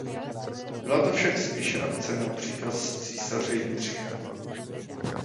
Byla to však spíše akce na příkaz císaře Jindřicha.